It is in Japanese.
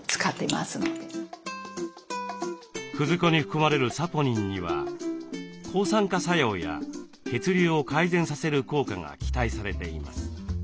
くず粉に含まれるサポニンには抗酸化作用や血流を改善させる効果が期待されています。